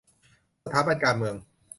สถาบันการเมือง